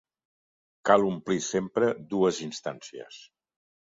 Cal omplir sempre dues instàncies.